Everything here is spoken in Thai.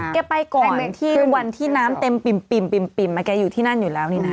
แกไปก่อนที่วันที่น้ำเต็มปิ่มแกอยู่ที่นั่นอยู่แล้วนี่นะ